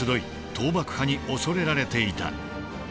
討幕派に恐れられていた。